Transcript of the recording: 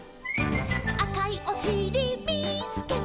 「あかいおしりみつけた」